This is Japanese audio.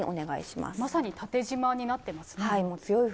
まさに縦じまになっていますね。